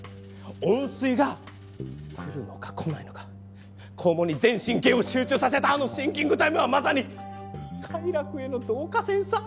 温水が来るのか来ないのか肛門に全神経を集中させたあのシンキングタイムはまさに快楽への導火線さ！